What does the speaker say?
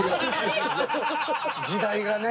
時代がね。